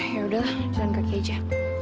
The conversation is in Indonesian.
yaudah jalan kaki aja